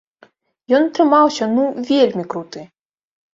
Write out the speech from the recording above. Ён атрымаўся, ну, вельмі круты!